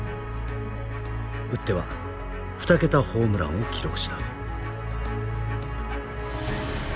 打っては２桁ホームランを記録した。